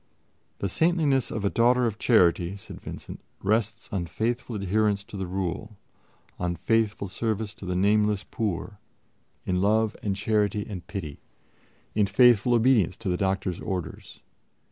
"The saintliness of a Daughter of Charity," said Vincent, "rests on faithful adherence to the Rule; on faithful service to the nameless poor; in love and charity and pity; in faithful obedience to the doctor's orders